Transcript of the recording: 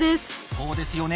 そうですよね。